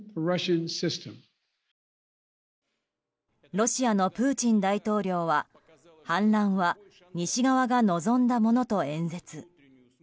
ロシアのプーチン大統領は反乱は西側が望んだものと演説。